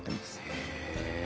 へえ。